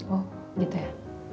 oh gitu ya